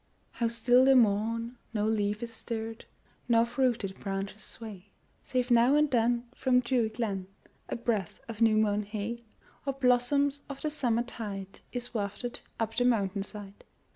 How still the morn! no leaf is stirred, Nor fruited branches sway, Save now and then, from dewy glen, A breath of new mown hay, Or blossoms of the summertide, Is wafted up the mountain side.